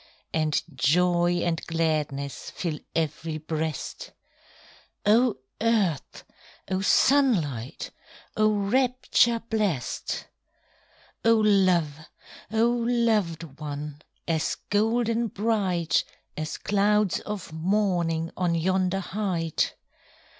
And joy and gladness Fill ev'ry breast! Oh earth! oh sunlight! Oh rapture blest! Oh love! oh loved one! As golden bright, As clouds of morning On yonder height!